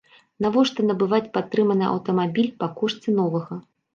Навошта набываць патрыманы аўтамабіль па кошце новага.